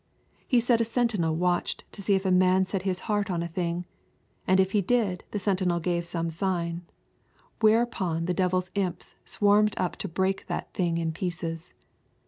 He said a sentinel watched to see if a man set his heart on a thing, and if he did the sentinel gave some sign, whereupon the devil's imps swarmed up to break that thing in pieces.